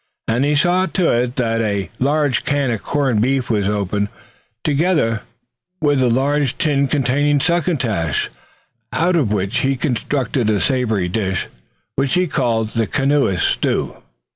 And he saw to it that a large can of corned beef was opened, together with one containing succotash, out of which he constructed a savory dish which he called the canoeists' stew.